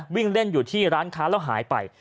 วิ่งเล่นอยู่ที่ร้านค้าแล้วหายไป